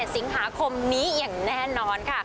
สิงหาคมนี้อย่างแน่นอนค่ะ